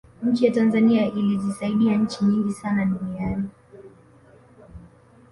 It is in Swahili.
nchi ya tanzania ilizisaidia nchi nyingi sana duniani